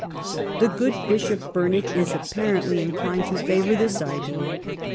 The good Bishop Burnet is apparently inclined to favour this idea.